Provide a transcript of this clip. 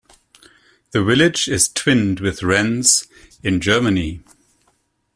The village is twinned with Rhens, in Germany.